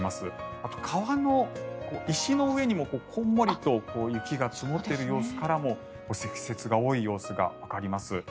あと、川の石の上にもこんもりと雪が積もっている様子からも積雪が多い様子がわかります。